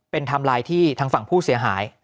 เป็นไทม์ไลน์ที่ทางฝั่งผู้เสียหาย